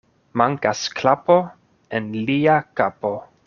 Mankas klapo en lia kapo.